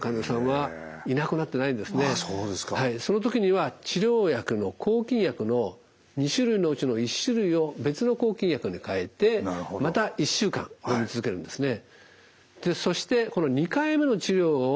その時には治療薬の抗菌薬の２種類のうちの１種類を別の抗菌薬に替えてまた１週間のみ続けるんですね。